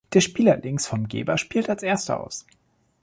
Der Spieler links vom Geber spielt als Erster aus.